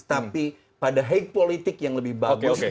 tapi pada hake politik yang lebih bagus